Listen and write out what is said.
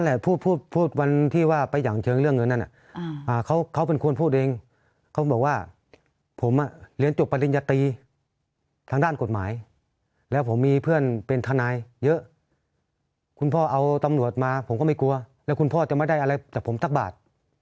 แหละพูดพูดวันที่ว่าไปอย่างเชิงเรื่องเงินนั้นเขาเป็นคนพูดเองเขาบอกว่าผมเรียนจบปริญญาตรีทางด้านกฎหมายแล้วผมมีเพื่อนเป็นทนายเยอะคุณพ่อเอาตำรวจมาผมก็ไม่กลัวแล้วคุณพ่อจะไม่ได้อะไรจากผมสักบาท